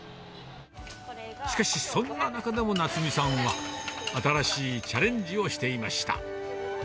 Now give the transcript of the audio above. しかし、そんな中でも奈津実さんは、新しいチャレンジをしていました。